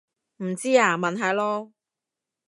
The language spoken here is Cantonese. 唔知啊問下囉